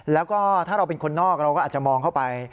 แล้วก็ถ้าเราเป็นคนนอกเราก็อาจจะมองเข้าไป